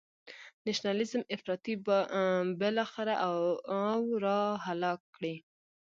نشنلیزم افراطی به بالاخره او را هلاک کړي.